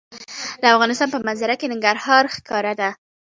د افغانستان په منظره کې ننګرهار ښکاره ده.